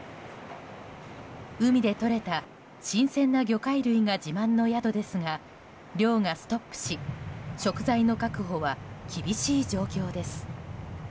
海でとれた新鮮な魚介類が自慢の宿ですが漁がストップし食材の確保は厳しい状況です。